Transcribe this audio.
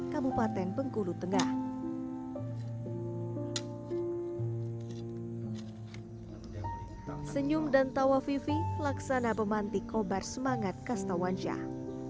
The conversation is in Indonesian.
kabupaten bengkulu tengah senyum dan tawa vivi laksana pemanti kobar semangat kastawansyah